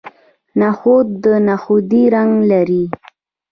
نخود نخودي رنګ لري.